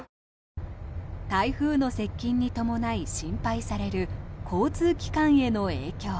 台風の接近に伴い、心配される交通機関への影響。